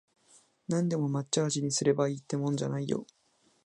なんでも抹茶味にすればいいってもんじゃないよ